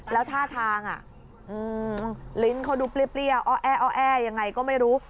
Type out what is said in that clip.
แล้วท่าทางลิ้นเขาดูเปรี้ยวอ้อแอยังไงก็ไม่รู้